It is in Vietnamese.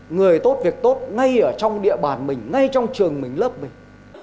người tốt việc tốt ngay ở trong địa bàn mình ngay trong trường mình lớp mình